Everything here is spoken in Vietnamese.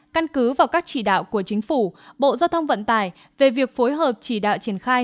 căn cứ vào các chỉ đạo của chính phủ bộ giao thông vận tải về việc phối hợp chỉ đạo triển khai